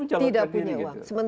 tidak punya uang